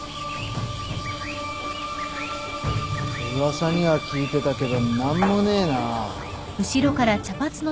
噂には聞いてたけど何もねえな。